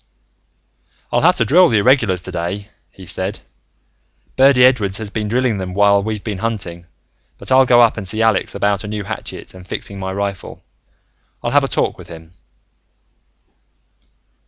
"I'll have to drill the Irregulars, today," he said. "Birdy Edwards has been drilling them while we've been hunting. But I'll go up and see Alex about a new hatchet and fixing my rifle. I'll have a talk with him."